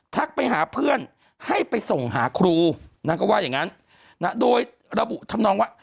ไปหาเพื่อนให้ไปส่งหาครูนางก็ว่าอย่างนั้นโดยระบุทำนองว่า